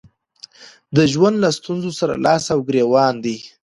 د ژوند له ستونزو سره لاس او ګرېوان دي.